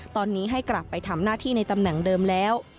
ตอนนี้ให้กลับไปทำหน้าที่ในตำแหน่งเดิมแล้ว